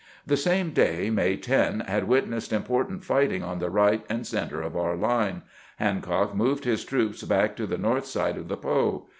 The same day. May 10, had witnessed important fighting on the right and center of .our line. Hancock moved his troops back to the north side of the Po.